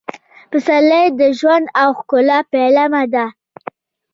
پسرلی د ژوند او ښکلا پیلامه ده.